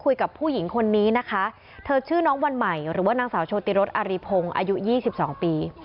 คุยกับผู้หญิงคนนี้นะคะเธอชื่อน้องวันใหม่หรือว่านางสาวโชติรสอารีพงศ์อายุ๒๒ปี